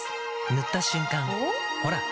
塗った瞬間おっ？